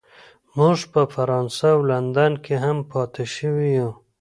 موږ په فرانسه او لندن کې هم پاتې شوي یو